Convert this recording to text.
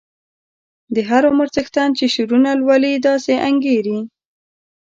د هر عمر څښتن چې شعرونه لولي داسې انګیري.